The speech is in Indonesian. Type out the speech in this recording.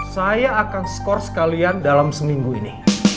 saya akan score sekalian dalam seminggu ini